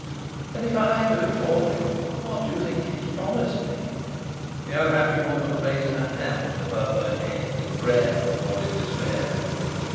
"And if I do it for him, what do you think he's promised me?" The unhappy woman raised her hands above her head, in prayer or in despair.